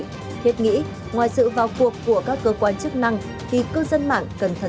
thiết nghĩ ngoài sự vào cuộc của các cơ quan chức năng thì cư dân mạng cần thật